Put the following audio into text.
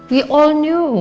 kita semua tau